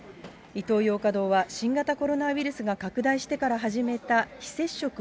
イトーヨーカ堂は新型コロナウイルスが拡大してから始めた非接触